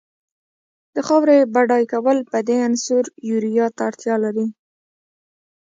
د خاورې بډای کول په دې عنصر یوریا ته اړتیا لري.